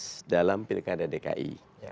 dks dalam pilkada dki